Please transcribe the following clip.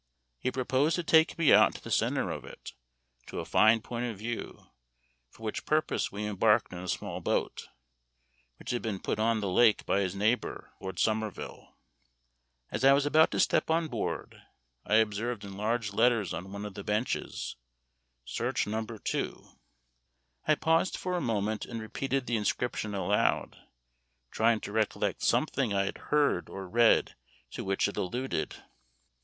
He proposed to take me out to the centre of it, to a fine point of view, for which purpose we embarked in a small boat, which had been put on the lake by his neighbor, Lord Somerville. As I was about to step on board, I observed in large letters on one of the benches, "Search No. 2." I paused for a moment and repeated the inscription aloud, trying to recollect something I had heard or read to which it alluded.